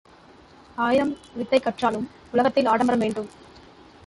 ஆயிரம் வித்தை கற்றாலும் உலகத்தில் ஆடம்பரம் வேண்டும்.